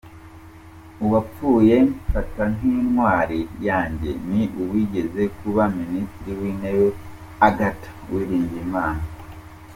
Uwapfuye mfata nk’intwari yanjye ni uwigeze kuba Ministri w’Intebe Agathe Uwilingiyimana.